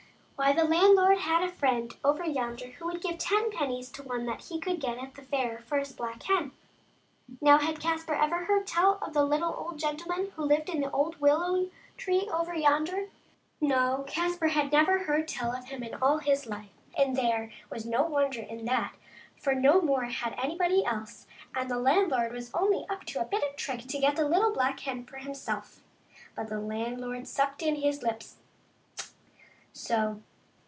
Why, the landlord had a friend over yonder who would give ten pennies to one that he could get at the fair for his black hen. Now, had Caspar ever heard tell of the little old gentleman who lived in the old willow tree over yonder? No, Caspar had never heard tell of him in all of his life. And there was no wonder in that, for no more had anybody else, and the landlord was only up to a bit of a trick to get the little black hen for himself. But the landlord sucked in his lips —" tsch "— so